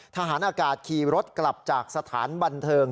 ทหารอากาศขี่รถกลับจากสถานบันเทิง